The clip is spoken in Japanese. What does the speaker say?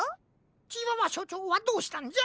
チワワしょちょうはどうしたんじゃ？